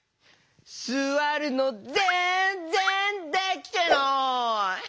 すわるのぜんぜんできてない！